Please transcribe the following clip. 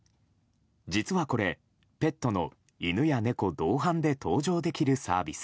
実はこれ、ペットの犬や猫同伴で搭乗できるサービス。